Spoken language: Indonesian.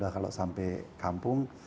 kalau sampai kampung